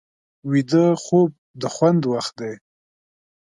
ویده خوب د خوند وخت دی